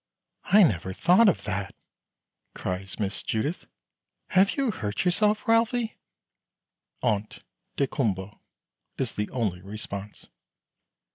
"I never thought of that," cries Miss Judith. "Have you hurt yourself, Ralphie?" "Ont daykumboa," is the only response.